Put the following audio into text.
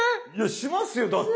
しますよだって。